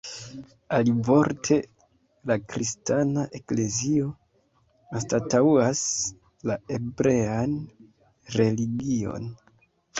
Alivorte, la kristana eklezio anstataŭas la hebrean religion.